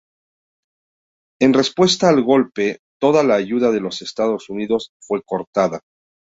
En respuesta al golpe, toda la ayuda de los Estados Unidos fue cortada.